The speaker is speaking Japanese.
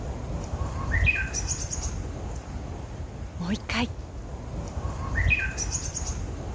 もう１回。